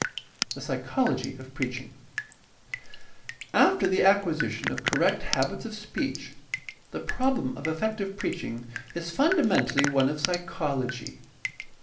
The psychology of preaching. — After the acquisition of correct habits of speech, the problem of effective preaching is fundamentally one of psychology.